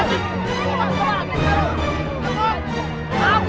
aku tidak mau